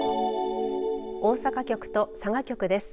大阪局と佐賀局です。